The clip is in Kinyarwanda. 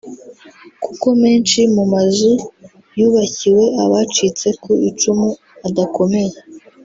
Kuko menshi mu mazu yubakiwe abacitse ku icumu adakomeye